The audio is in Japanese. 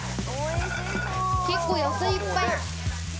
結構野菜いっぱい。